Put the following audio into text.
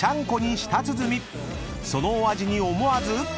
［そのお味に思わず］